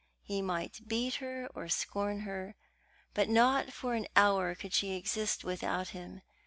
He might beat her or scorn her, but not for an hour could she exist without him.